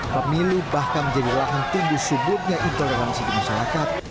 pemilih bahkan menjadi lahan tunggu sebutnya intoleransi di masyarakat